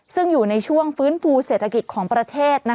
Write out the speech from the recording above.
ซึ่งอยู่ในช่วงฟื้นฟูเศรษฐกิจของประเทศ